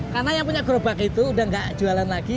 karena yang punya gerobak itu udah gak jualan lagi